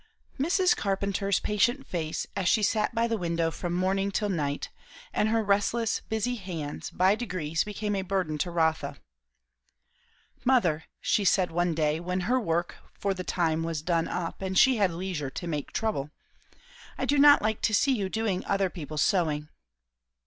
Mrs. Carpenter's patient face, as she sat by the window from morning till night, and her restless busy hands, by degrees became a burden to Rotha. "Mother," she said one day, when her own work for the time was done up and she had leisure to make trouble, "I do not like to see you doing other people's sewing."